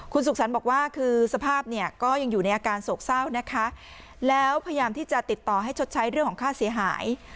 คุณสุขสรรค์บอกว่าคือสภาพเนี่ยก็ยังอยู่ในอาการโศกเศร้านะคะแล้วพยายามที่จะติดต่อให้ชดใช้เรื่องของค่าเสียหาย